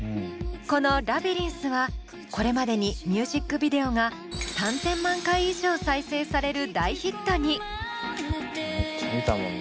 この「ラビリンス」はこれまでにミュージックビデオが３０００万回以上再生される大ヒットに。